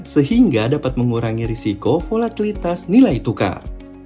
sehingga dapat mengurangi risiko volatilitas nilai tukar